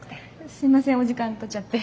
すいませんお時間とっちゃって。